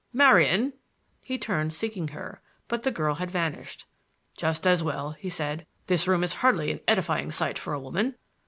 "Marian,"—he turned, seeking her, but the girl had vanished. "Just as well," he said. "This room is hardly an edifying sight for a woman."